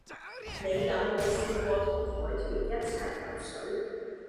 你有冇試過同海豚一齊游水